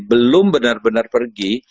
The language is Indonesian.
belum benar benar pergi